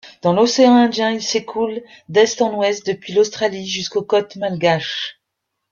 Dans l'océan Indien, il s'écoule d'est en ouest depuis l'Australie jusqu'aux côtes malgaches.